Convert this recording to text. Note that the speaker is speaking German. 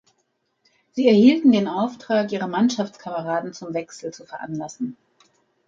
Sie erhielten den Auftrag, ihre Mannschaftskameraden zum Wechsel zu veranlassen.